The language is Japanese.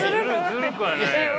ずるくはないよ。